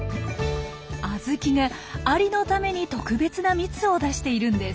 アズキがアリのために特別な蜜を出しているんです。